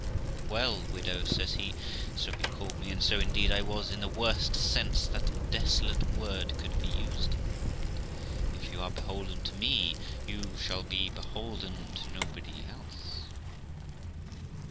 'Well, widow', says he (so he called me and so indeed I was in the worst sense that desolate word could be used in), 'if you are beholden to me, you shall be beholden to nobody else.'